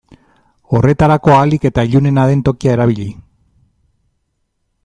Horretarako ahalik eta ilunena den tokia erabili.